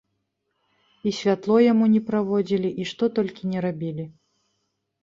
І святло яму не праводзілі, і што толькі ні рабілі.